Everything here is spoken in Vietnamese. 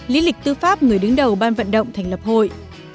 lý lịch tư pháp người đứng đầu ban vận động thành lập hội